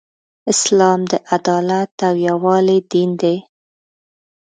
اسلام د عدالت او یووالی دین دی .